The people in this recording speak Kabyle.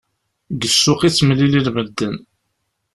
Deg ssuq i ttemlilin medden.